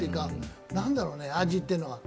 何だろうね、味っていうのは。